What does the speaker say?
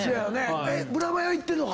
ブラマヨ行ってんのか？